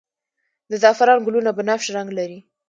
د زعفران ګلونه بنفش رنګ لري